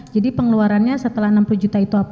jadi pengeluarannya setelah enam puluh juta itu apa